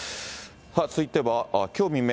続いては、きょう未明、